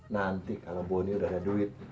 nanti kalau boni udah ada duit